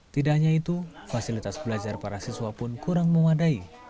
tidak hanya itu fasilitas belajar para siswa pun kurang memadai